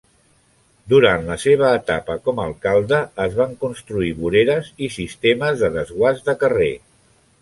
Durant la seva etapa com a alcalde es van construir voreres i sistemes de desguàs de carrer.